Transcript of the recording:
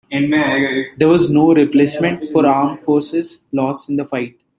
There was no replacement for armed forces lost in the fight.